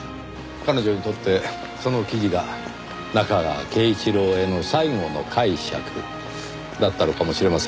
彼女にとってその記事が中川敬一郎への最後の介錯だったのかもしれませんねぇ。